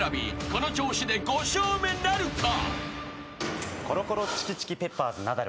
この調子で５笑目なるか？］